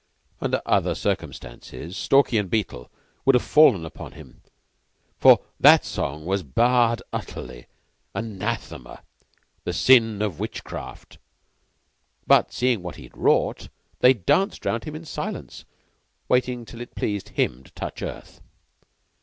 Under other circumstances Stalky and Beetle would have fallen upon him, for that song was barred utterly anathema the sin of witchcraft. But seeing what he had wrought, they danced round him in silence, waiting till it pleased him to touch earth.